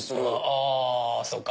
あそっか。